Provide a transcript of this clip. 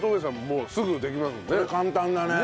もうすぐできますもんね。